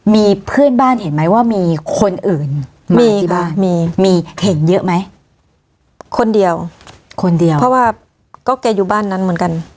มีเพื่อนบ้านเห็นไหมว่ามีคนอื่นมีบ้างมีมีเห็นเยอะไหมคนเดียวคนเดียวเพราะว่าก็แกอยู่บ้านนั้นเหมือนกัน